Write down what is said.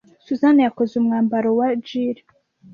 Susan yakoze umwambaro wa Jill.